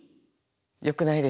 よくないです。